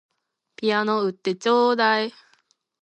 ピアノ売ってちょうだい